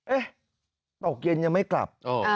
ตกเย็นยังไม่กลับ